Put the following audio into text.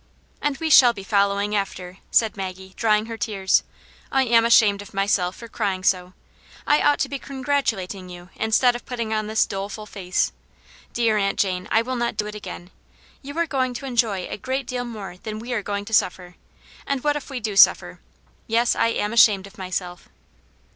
"And we shall be following after," said Maggie, drying her tears. "I am ashamed of' myself for crying so. I ought to be congratulating you instead of putting on this doleful face. Di^ar .j^unt Jane, I will not do it again. You are going to enjoy a great deal more than we are going to suffer ; and what if we do suffer } Yes, I am ashamed of myself."